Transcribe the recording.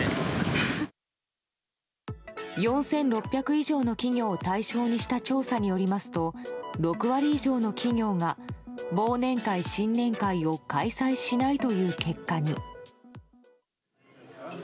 ４６００以上の企業を対象にした調査によりますと６割以上の企業が忘年会・新年会を開催しないという結果に。